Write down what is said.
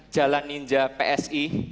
jalan ninja psi